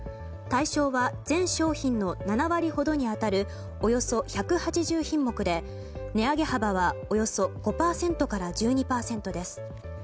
対象は全商品の７割ほどに当たるおよそ１８０品目で値上げ幅はおよそ５％から１２％です。